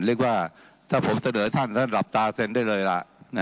เรียกว่าถ้าผมเสนอท่านท่านหลับตาเซ็นได้เลยล่ะ